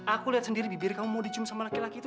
aku lihat sendiri bibir kamu mau dicium sama laki laki itu